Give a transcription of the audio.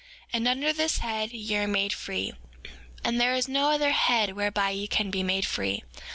5:8 And under this head ye are made free, and there is no other head whereby ye can be made free.